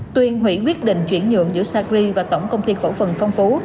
tuyên hủy quyết định chuyển nhượng giữa sacri và tổng công ty cổ phần phong phú